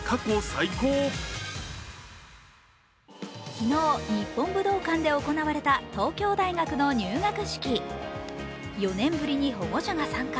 昨日、日本武道館で行われた東京大学の入学式４年ぶりに保護者が参加。